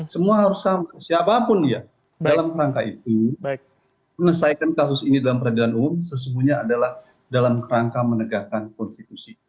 semua harus siapapun dia dalam rangka itu menesaikan kasus ini dalam peradilan umum sesungguhnya adalah dalam rangka menegakkan konstitusi